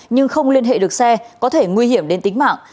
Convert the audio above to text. nhưng không liên hệ được xe có thể nguy hiểm đến tính mạng